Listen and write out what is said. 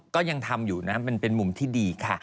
ก็ยังทำอยู่นะมันเป็นมุมที่ดีค่ะ